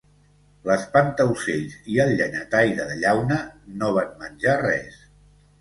L'Espantaocells i el Llenyataire de Llauna no van menjar res.